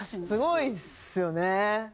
すごいですよね。